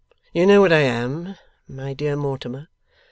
You know what I am, my dear Mortimer.